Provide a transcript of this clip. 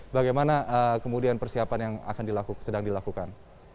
bagaimana kemudian persiapan yang sedang dilakukan